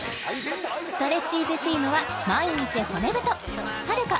ストレッチーズチームは毎日骨太はるか・